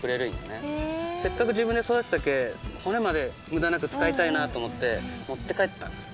せっかく自分で育てたけ骨まで無駄なく使いたいなと思って持って帰ったんです。